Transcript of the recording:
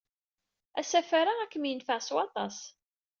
Asafar-a ad kem-yenfeɛ s waṭas.